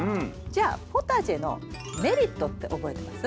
じゃあポタジェのメリットって覚えてます？